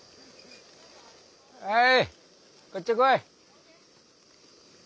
おいこっち来い。